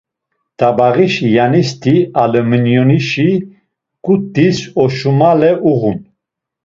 Tabağişi yanisti aluminyonişi ǩutis oşumale uğun.